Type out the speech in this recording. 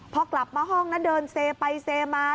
พอกลับมาห้องนั้นเดินเซไปเซมา